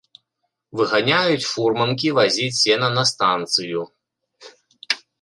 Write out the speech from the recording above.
Выганяюць фурманкі вазіць сена на станцыю.